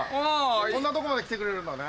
こんなとこまで来てくれるんだね。